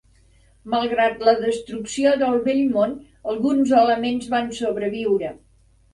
Malgrat la destrucció del vell món, alguns elements van sobreviure.